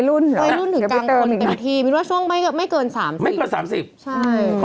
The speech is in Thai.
อื้อนี่เหรอ